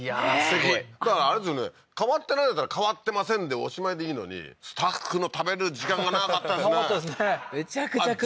すごい変わってないんだったら変わってませんでおしまいでいいのにスタッフの食べる時間が長かったですね